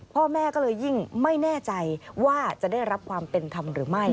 พ่อแม่ก็เลยยิ่งไม่แน่ใจว่าจะได้รับความเป็นธรรมหรือไม่